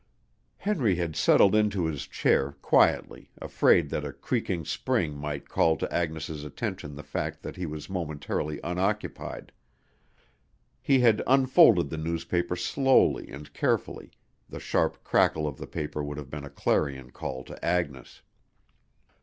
Henry had settled into his chair, quietly, afraid that a creaking spring might call to Agnes' attention the fact that he was momentarily unoccupied. He had unfolded the newspaper slowly and carefully, the sharp crackle of the paper would have been a clarion call to Agnes.